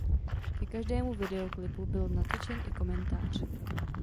Ke každému videoklipu byl natočen i komentář.